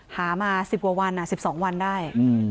หามา๑๐กว่าวัน๑๒วันได้